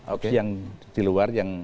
opsi yang di luar